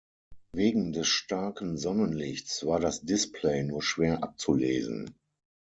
Wegen des starken Sonnenlichts war das Display nur schwer abzulesen.